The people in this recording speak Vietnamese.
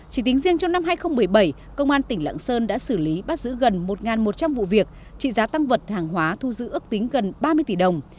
chỉ tính riêng trong năm hai nghìn một mươi bảy công an tỉnh lạng sơn đã xử lý bắt giữ gần một một trăm linh vụ việc trị giá tăng vật hàng hóa thu giữ ước tính gần ba mươi tỷ đồng